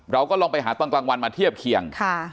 เราก็ลองไปหาตอนกลางวันมาเทียบเคียง